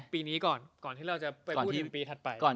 ปีนี้ก่อนก่อนที่เราจะไปทีมปีถัดไป